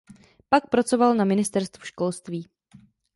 Pak pracoval na Ministerstvu školství.